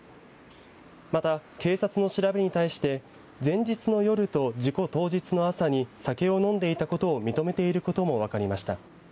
また、警察の調べに対して前日の夜と事故当日の朝に酒を飲んでいたことを認めていることも分かりました。